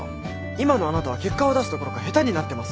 今のあなたは結果を出すどころか下手になってます。